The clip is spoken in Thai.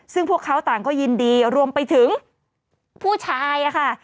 ซึ่งพวกเขาต่างก็ยินดีรวมไปถึงผู้ชายค่ะ